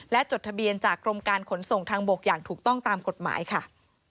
จดทะเบียนจากกรมการขนส่งทางบกอย่างถูกต้องตามกฎหมายค่ะ